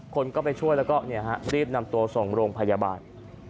คนก็ไปช่วยแล้วก็รีบนำตัวส่งโรงพยาบาล